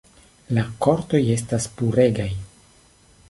La kortoj estas puregaj.